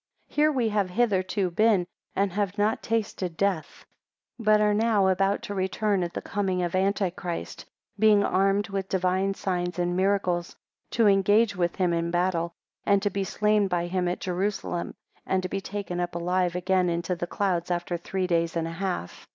4 Here we have hitherto been, and have not tasted death, but are now about to return at the coming of Antichrist, being armed with divine signs and miracles, to engage with him in battle, and to be slain by him at Jerusalem, and to be taken up alive again into the clouds, after three days and a half.